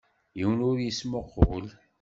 Yiwen ur yesmuqul.